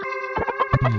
nanti ya udah